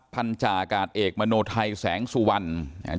พันธาอากาศเอกมโนไทยแสงสุวรรณ